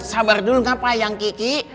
sabar dulu nggak pak yang kiki